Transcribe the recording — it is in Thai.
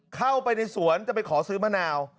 เข้าไปในสวนจะไปขอซื้อมะนาว